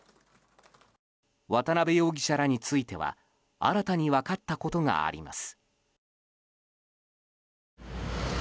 渡邉容疑者らについては新たに分かったことがあります。